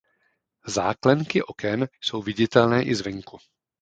Záklenky oken jsou viditelné i zvenku.